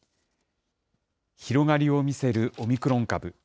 広がりを見せるオミクロン株。